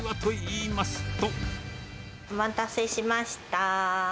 いまお待たせしました。